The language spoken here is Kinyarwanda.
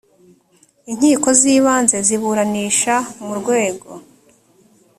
inkiko z ibanze ziburanisha mu rwego